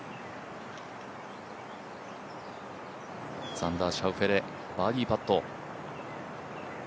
ザンダー・シャウフェレ、バーディーパット。